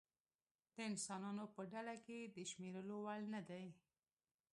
د انسانانو په ډله کې د شمېرلو وړ نه دی.